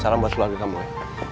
salam buat selagi kamu ya